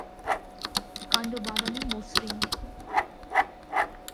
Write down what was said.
কাণ্ড বাদামি মসৃণ।